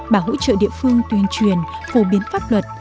bà hỗ trợ địa phương tuyên truyền phổ biến pháp luật